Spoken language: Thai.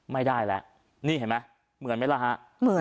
ไม่ได้ละนี่เห็นไหมเหมือนไหมล่ะฮะเหมือน